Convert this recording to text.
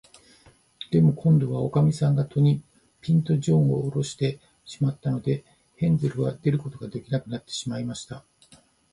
でも、こんどは、おかみさんが戸に、ぴんと、じょうをおろしてしまったので、ヘンゼルは出ることができなくなりました。